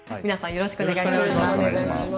よろしくお願いします。